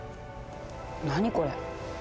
何これ？